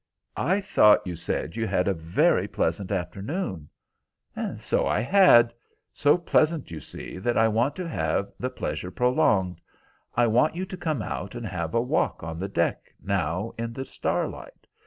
"I thought you said you had a very pleasant afternoon." "So I had. So pleasant, you see, that I want to have the pleasure prolonged. I want you to come out and have a walk on the deck now in the starlight.